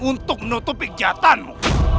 untuk menutupi kejahatanmu